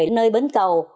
nơi bến cầu